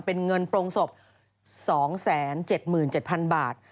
เป็นเงินโปรงศพ๒๗๗๐๐บาท